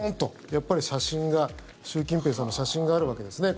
やっぱり習近平さんの写真があるわけですね。